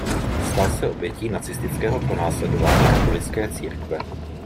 Stal se obětí nacistického pronásledování katolické církve.